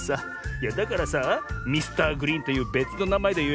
いやだからさミスターグリーンというべつのなまえでよ